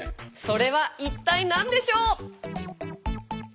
それは一体何でしょう？